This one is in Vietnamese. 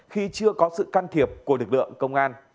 khi chưa có sự can thiệp của lực lượng công an